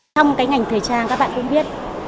trong cái ngành thời trang các bạn cũng biết